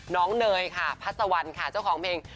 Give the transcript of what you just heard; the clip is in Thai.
น้องเนยค่ะพัทสวรรค์ค่ะเจ้าของเพลง